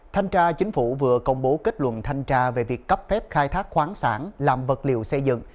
thanh tra chính phủ vừa công bố kết luận thanh tra về việc cấp phép khai thác khoáng sản làm vật liệu xây dựng